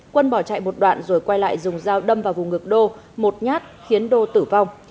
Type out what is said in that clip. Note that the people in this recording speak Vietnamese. quân bỏ chạy một đoạn rồi quay lại dùng dao đâm vào vùng ngược đô một nhát khiến đô tử vong